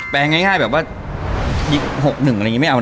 แปลงง่ายง่ายแบบว่าดีหกหนึ่งอะไรอย่างงี้ไม่เอา